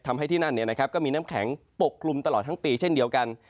ทำให้ที่นั่นเนี่ยนะครับก็มีน้ำแข็งปกลุ่มตลอดทั้งปีเช่นเดียวกัน